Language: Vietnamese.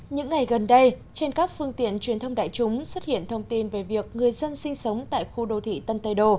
những ngày gần đây trên các phương tiện truyền thông đại chúng xuất hiện thông tin về việc người dân sinh sống tại khu đô thị tân tây đồ